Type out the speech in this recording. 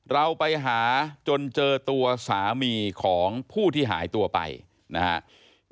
เราไปหาจนเจอตัวสามีของผู้ที่หายตัวไปนะครับ